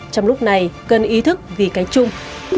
trong lúc này cần ý thức vì cái chung